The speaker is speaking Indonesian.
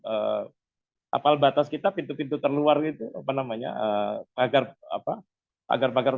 eh apal batas kita pintu pintu terluar gitu apa namanya agar apa agar agar